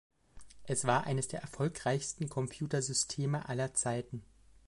Es war eines der erfolgreichsten Computersysteme aller Zeiten.